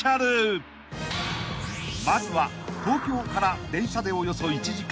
［まずは東京から電車でおよそ１時間］